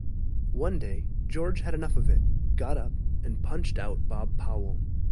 One day, George had enough of it, got up, and punched out Bob Powell.